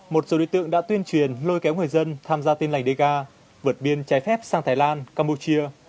một số đối tượng đã tuyên truyền lôi kéo người dân tham gia tin lành đề ga vượt biên trái phép sang thái lan campuchia